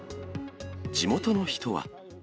地元の人は。